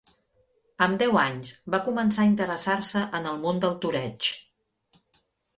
Amb deu anys va començar a interessar-se en el món del toreig.